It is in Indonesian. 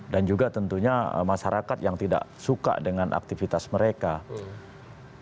dan juga tentunya masyarakat yang tidak suka dengan aktivitas aktivitas ini